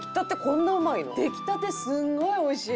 出来たてすごいおいしい！